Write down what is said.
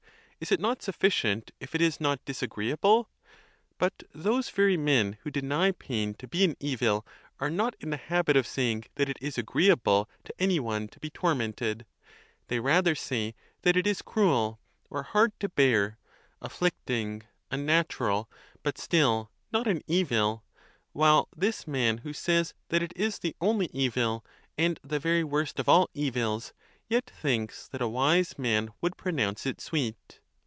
Is it not sufficient, if it is not disagreeable? But those very men who deny pain to be an evil are not in the habit of saying that it is agreeable to any one to be tormented; they rather say that it is cruel, or hard to bear, afflicting, unnatural, but still not an evil: while this man who says that it is the only evil, and the very worst of all evils, yet thinks that a wise man would pronounce it sweet.